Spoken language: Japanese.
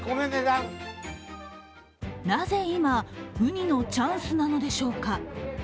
なぜ、今ウニのチャンスなのでしょうか。